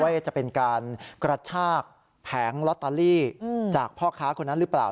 ว่าจะเป็นการกระชากแผงลอตเตอรี่จากพ่อค้าคนนั้นหรือเปล่า